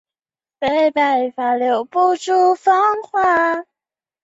同年成为格拉斯哥卡利多尼安大学的校监。